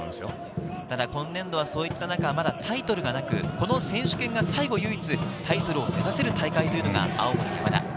今年度はそういったなか、まだタイトルがなく、この選手権が最後、唯一タイトルを目指せる大会というのが青森山田。